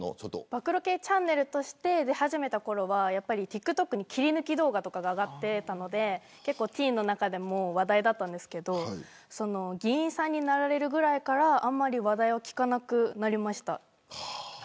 暴露系チャンネルとして出始めたころはティックトックに切り抜き動画が上がっていてティーンの中でも話題だったんですけど議員さんになられたぐらいからあんまり話題を聞かなくなりました。